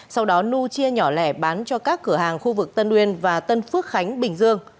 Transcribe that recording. sau đó nu chia nhỏ lẻ bán cho các cửa hàng khu vực tân uyên và tân phước khánh bình dương